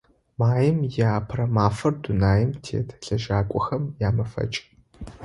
Маим и Апэрэ мафэр – дунаим тет лэжьакӀохэм ямэфэкӀ.